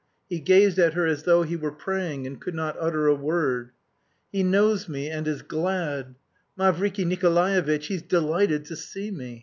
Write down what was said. He gazed at her as though he were praying and could not utter a word. "He knows me, and is glad! Mavriky Nikolaevitch, he's delighted to see me!